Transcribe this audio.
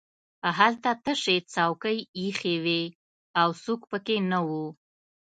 هلته تشې څوکۍ ایښې وې او څوک پکې نه وو